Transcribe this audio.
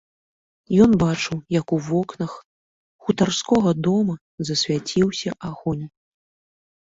Ён бачыў, як у вокнах хутарскога дома засвяціўся агонь.